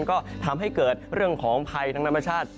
ก็ทำให้เกิดเรื่องของภัยทางธรรมชาติ